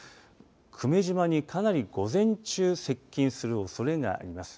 久米島にかなり午前中接近するおそれがあります。